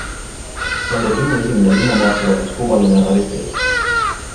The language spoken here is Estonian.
Lamborghini esimene linnamaastur on üks kummaline rariteet.